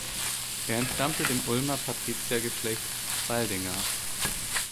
Er entstammte dem Ulmer Patriziergeschlecht Baldinger.